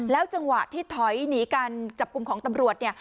แล้วจังหวะที่ถอยหนีกันจับกลุ่มของตำรวจ